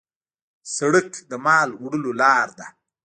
سړک د مال وړلو لار ده.